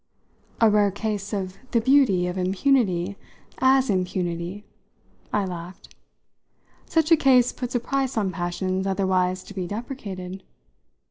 "A rare case of the beauty of impunity as impunity?" I laughed. "Such a case puts a price on passions otherwise to be deprecated?